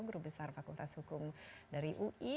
guru besar fakultas hukum dari ui